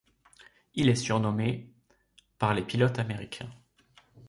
Il est surnommé ' par les pilotes américains.